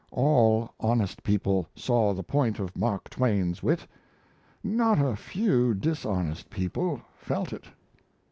All honest people saw the point of Mark Twain's wit. Not a few dishonest people felt it."